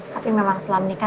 tapi memang setelah menikah